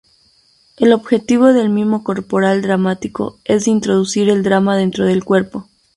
El objetivo del mimo corporal dramático es de introducir el drama dentro del cuerpo.